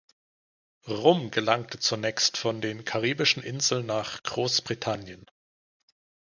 Rum gelangte zunächst von den karibischen Inseln nach Großbritannien.